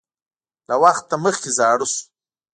له وخت مخکې زاړه شو